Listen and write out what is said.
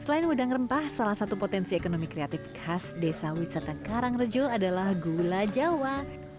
selain udang rempah salah satu potensi ekonomi kreatif khas desa wisata karangrejo adalah gula jawa